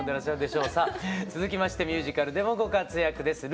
さあ続きましてミュージカルでもご活躍です。